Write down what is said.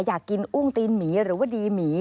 อยากกินอุ้งตีนหมีหรือว่าดีหมี